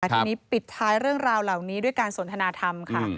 ทีนี้ปิดท้ายเรื่องราวเหล่านี้ด้วยการสนทนาธรรมค่ะ